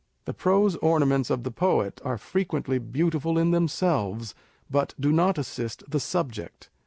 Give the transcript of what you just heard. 1 The prose ornaments of the poet are frequently beautiful in themselves, but do not assist the subject.